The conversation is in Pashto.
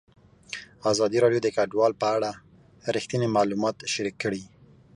ازادي راډیو د کډوال په اړه رښتیني معلومات شریک کړي.